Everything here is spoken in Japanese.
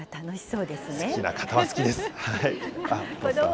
好きな方は好きです。